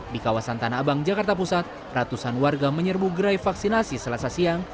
di kawasan tanah abang jakarta pusat ratusan warga menyerbu gerai vaksinasi selasa siang